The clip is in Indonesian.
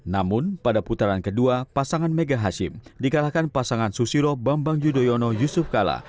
namun pada putaran kedua pasangan mega hashim dikalahkan pasangan susilo bambang yudhoyono yusuf kala